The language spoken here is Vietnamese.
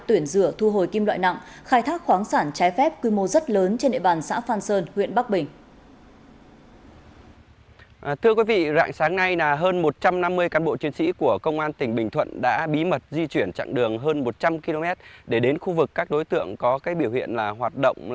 tuyển rửa thu hồi kim loại nặng khai thác khoáng sản trái phép quy mô rất lớn